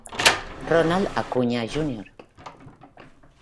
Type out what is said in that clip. Ronald Acuña Jr.